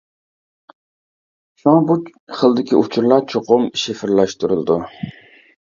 شۇڭا، بۇ خىلدىكى ئۇچۇرلار چوقۇم شىفىرلاشتۇرۇلىدۇ.